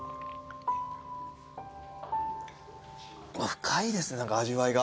深いですね味わいが。